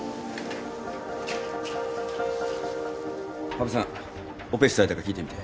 羽生さんオペ室空いたか聞いてみて。